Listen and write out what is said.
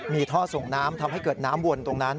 มีท่อส่งน้ำทำให้เกิดน้ำวนตรงนั้น